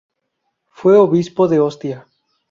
Fue obispo de Ostia.